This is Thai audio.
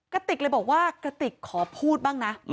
กระติกเลยบอกว่ากระติกขอพูดบ้างนะ